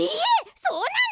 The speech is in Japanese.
そうなの？